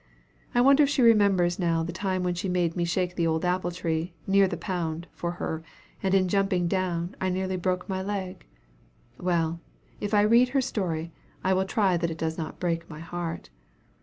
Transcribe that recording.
I wonder if she remembers now the time when she made me shake the old apple tree, near the pound, for her, and in jumping down, I nearly broke my leg. Well, if I read her story, I will try that it does not break my heart.